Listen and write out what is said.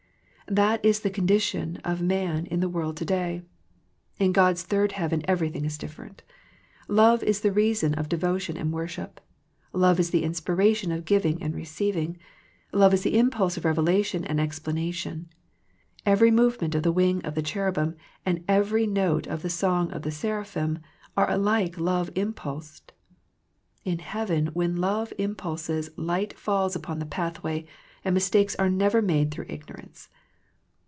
That is the condition of man in the world to day. In God's third heaven everything is different. Love is the rea son of devotion and worship. Love is the inspi ration of giving and receiving. Love is the im pulse of revelation and explanation. Every move ment of the wing of the cherubim and every note of the song of the seraphim are alike love impulsed. In heaven when love impulses light falls upon the pathway, and mistakes are never made through ignorance.